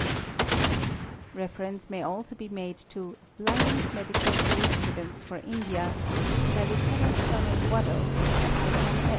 _ Reference may also be made to '"Lyon's Medical Jurisprudence for India" by Lt. Col. Waddell, I. M.